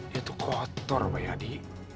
itu kotor pak yadi